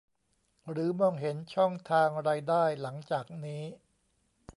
หรือมองเห็นช่องทางรายได้หลังจากนี้